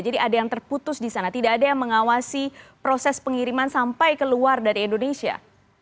jadi ada yang terputus di sana tidak ada yang mengawasi proses pengiriman sampai keluar dari indonesia